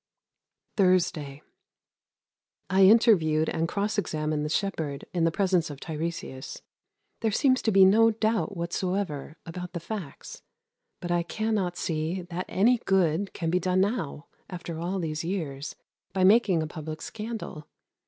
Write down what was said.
Thursday. I interviewed and cross examined the shepherd in the presence of Tiresias. There seems to be no doubt whatsoever about the facts. But I cannot see that any good can be done now, after all these years, by making a public scandal.